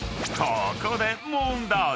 ［ここで問題！］